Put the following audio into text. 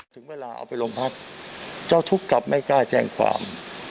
ถึงเวลาเอาไปลงพักเจ้าทุกข์กลับไม่กล้าแจ้งความ